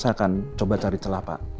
saya akan coba cari celah pak